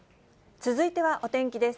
続いてはお天気です。